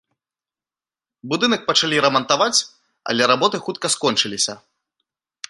Будынак пачалі рамантаваць, але работы хутка скончыліся.